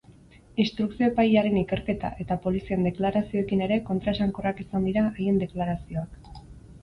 Instrukzio-epailearen ikerketa eta polizien deklarazioekin ere kontraesankorrak izan dira haien deklarazioak.